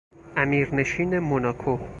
امیرنشین موناکو